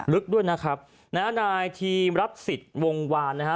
ลึกด้วยนะครับนะฮะนายทีมรัฐสิทธิ์วงวานนะฮะ